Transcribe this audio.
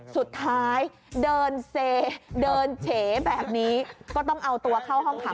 สุดท้ายเดินเซเดินเฉแบบนี้ก็ต้องเอาตัวเข้าห้องขัง